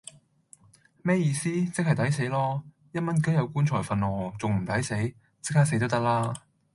咩意思?即系抵死囉!一蚊雞有棺材訓喔,仲唔抵死?即刻死都得啦